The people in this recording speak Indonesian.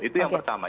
itu yang pertama